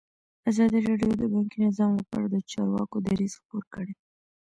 ازادي راډیو د بانکي نظام لپاره د چارواکو دریځ خپور کړی.